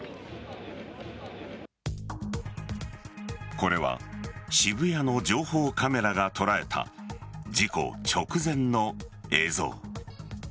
これは渋谷の情報カメラが捉えた事故直前の映像。